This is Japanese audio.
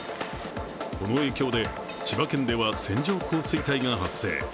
この影響で千葉県では、線状降水帯が発生。